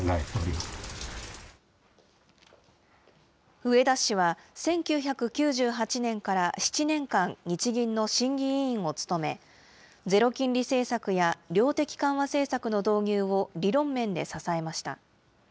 植田氏は１９９８年から７年間、日銀の審議委員を務め、ゼロ金利政策や量的緩和政策の導入を理論面で支えました。